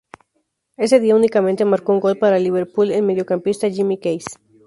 Ese día, únicamente marcó un gol para el Liverpool el mediocampista Jimmy Case.